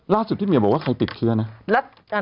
ล่าสุดที่มีบอกว่าใครติดเครื่องนี้